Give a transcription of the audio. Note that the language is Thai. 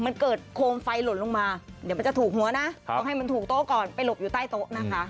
มันเกิดโคมไฟหล่นลงมาเดี๋ยวมันจะถูกหัวนะต้องให้มันถูกโต๊ะก่อนไปหลบอยู่ใต้โต๊ะนะคะ